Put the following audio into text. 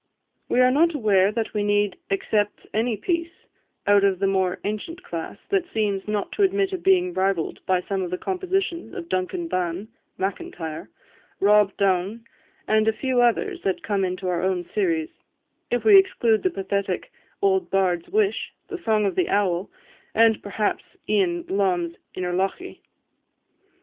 "We are not aware that we need except any piece, out of the more ancient class, that seems not to admit of being rivalled by some of the compositions of Duncan Ban (Macintyre), Rob Donn, and a few others that come into our own series, if we exclude the pathetic 'Old Bard's Wish,' 'The Song of the Owl,' and, perhaps, Ian Lom's 'Innerlochy.'